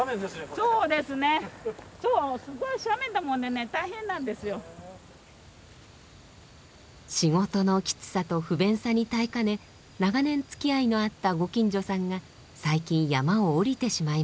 そう仕事のきつさと不便さに耐えかね長年つきあいのあったご近所さんが最近山を下りてしまいました。